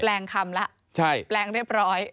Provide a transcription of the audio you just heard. แปลงคำละแปลงเรียบร้อย